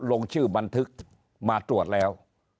ลงชื่อบันทึกมาตรวจแล้ว